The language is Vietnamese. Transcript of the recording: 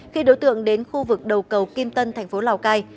khi đối tượng đến khu vực đầu cầu kim tân thành phố lào cai